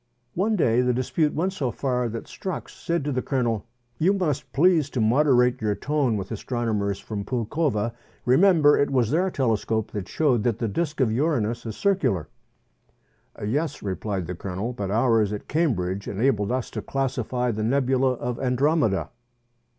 One day the dispute went so far that Strux said to the Colonel, "You must please to moderate your tone with astronomers from Poulkowa : remember it was their tele scope that showed that the disc of Uranus is circular." "Yes," replied the Colonel; "but ours at Cambridge enabled us to classify the nebula of Andromeda."